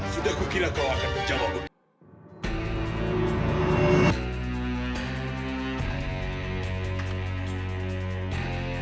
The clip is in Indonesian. sudah kukira kau akan terjawab betul